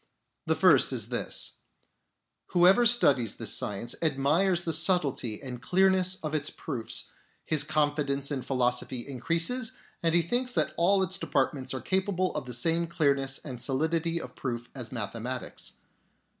The first is this : Whoever studies this science admires the subtlety and clearness of its proofs. His confidence in philosophy increases, and he thinks that all its departments are capable of the same clearness and solidity of proof as mathe matics.